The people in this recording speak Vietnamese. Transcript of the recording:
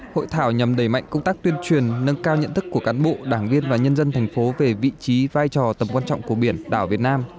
hội thảo nhằm đẩy mạnh công tác tuyên truyền nâng cao nhận thức của cán bộ đảng viên và nhân dân thành phố về vị trí vai trò tầm quan trọng của biển đảo việt nam